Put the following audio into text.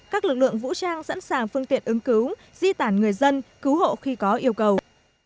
các lực lượng vũ trang sẵn sàng phương tiện ứng cứu di tản người dân cứu hộ khi có yêu cầu